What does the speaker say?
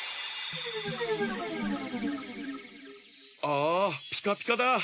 ああピカピカだ。